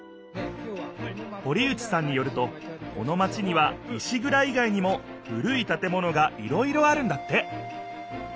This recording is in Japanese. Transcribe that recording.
堀内さんによるとこのマチには石ぐらい外にも古い建物がいろいろあるんだって。